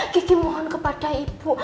kiki mohon kepada ibu